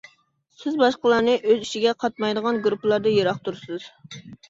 سىز باشقىلارنى ئۆز ئىچىگە قاتمايدىغان گۇرۇپپىلاردىن يىراق تۇرىسىز.